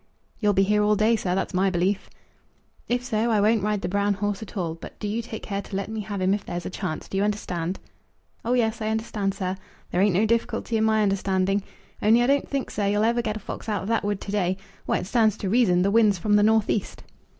"You'll be here all day, sir. That's my belief." "If so, I won't ride the brown horse at all. But do you take care to let me have him if there's a chance. Do you understand?" "Oh, yes, I understand, sir. There ain't no difficulty in my understanding; only I don't think, sir, you'll ever get a fox out of that wood to day. Why, it stands to reason. The wind's from the north east."